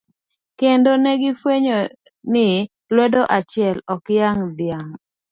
Kendo negi fwenyo ni lwedo achiel, ok yang' dhiang'.